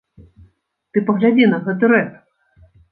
Ты паглядзі на гэты рэп!